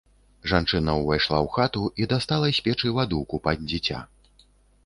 Жанчына ўвайшла ў хату і дастала з печы ваду купаць дзіця.